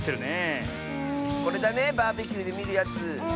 これだねバーベキューでみるやつ。